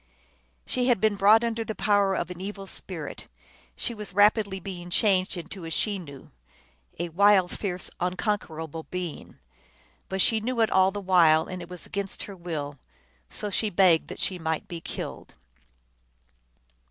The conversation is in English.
She had been brought under the power of an evil spirit ; she was rapidly being changed into a Chenoo, a wild, fierce, unconquerable being. But she knew it all the while, and it was against her will. So she begged that she might be killed.